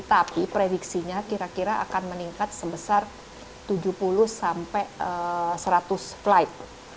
tapi prediksinya kira kira akan meningkat sebesar tujuh puluh sampai seratus flight